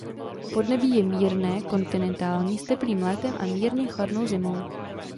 Podnebí je mírné kontinentální s teplým létem a mírně chladnou zimou.